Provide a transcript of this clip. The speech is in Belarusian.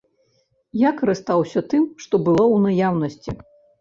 Я карыстаўся тым, што было ў наяўнасці.